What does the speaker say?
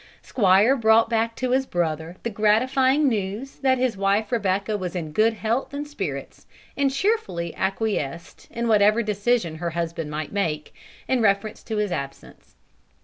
Squire brought back to his brother the gratifying news that his wife Rebecca was in good health and spirits, and cheerfully acquiesced in whatever decision her husband might make, in reference to his absence.